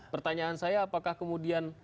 pertanyaan saya apakah kemudian